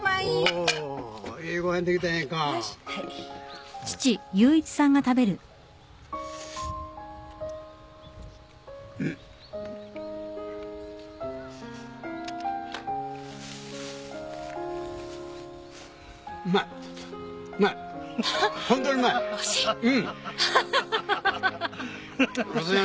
おいしい？